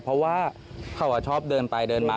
เพราะว่าเขาชอบเดินไปเดินมา